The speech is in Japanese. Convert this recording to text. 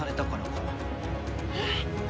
えっ！？